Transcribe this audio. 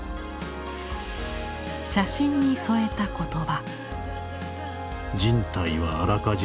写真に添えた言葉。